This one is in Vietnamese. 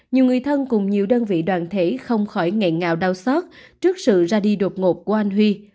nhiều người thân cùng nhiều đơn vị đoàn thể không khỏi ngạy ngào đau xót trước sự ra đi đột ngột của anh huy